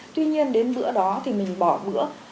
tuy nhiên đến bữa đó thì mình bỏ bữa